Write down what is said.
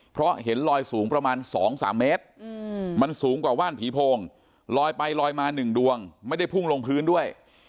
เพราะเห็นลอยสูงประมาณ๒๓เมตรมันสูงกว่าว่านผีโพงลอยไปลอยมา๑ดวงไม่ได้พุ่งลงพื้นด้วย